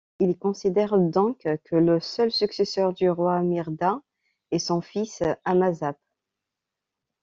Il considère donc que le seul successeur du roi Mirdhat est son fils Amazap.